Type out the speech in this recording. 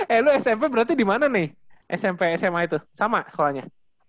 eh lu smp berarti di mana nih smp sma itu sama sekolahnya